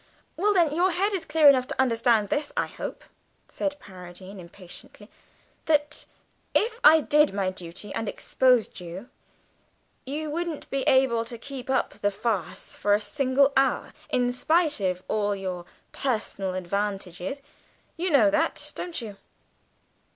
"Well then, your head's clear enough to understand this much, I hope," said Paradine a little impatiently, "that, if I did my duty and exposed you, you wouldn't be able to keep up the farce for a single hour, in spite of all your personal advantages you know that, don't you?"